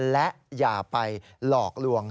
และอย่าไปหลอกลวง